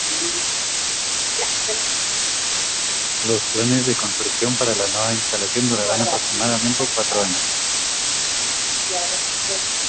Los planes de construcción para la nueva instalación durarán aproximadamente cuatro años.